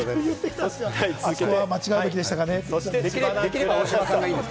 そこは間違うべきでしたかねって。